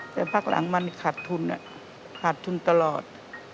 แต่พักหลังมันขาดทุนขาดทุนตลอด